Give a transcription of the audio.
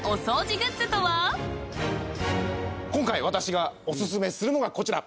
今回私がお薦めするのがこちら。